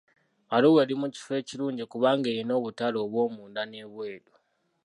Arua eri mu kifo ekirungi kubanga erina obutale obwomunda n'ebweru.